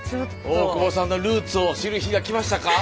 大久保さんのルーツを知る日が来ましたか？